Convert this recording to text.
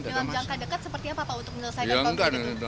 dalam jangka dekat seperti apa pak untuk menyelesaikan konflik itu